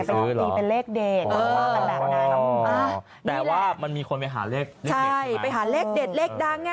ไม่ซื้อหรอเป็นเลขเด็ดเออแต่ว่ามันมีคนไปหาเลขใช่ไปหาเลขเด็ดเล็กดังอ่ะ